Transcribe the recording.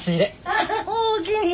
あっおおきに。